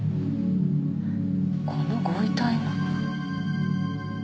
このご遺体の。